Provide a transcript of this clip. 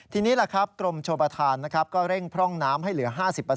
ทีนี้กรมโชว์ประธานก็เร่งพร่องน้ำให้เหลือ๕๐